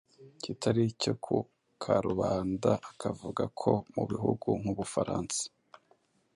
kitari icyo ku karubanda, akavuga ko mu bihugu nk'Ubufaransa